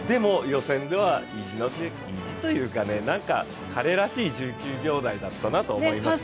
予選では意地というか彼らしい１９秒台だったなと思います。